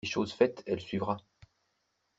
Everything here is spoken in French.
Les choses faites, elle suivra.